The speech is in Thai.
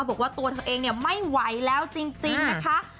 บอกว่าตัวเธอเองเนี่ยไม่ไหวแล้วจริงนะคะ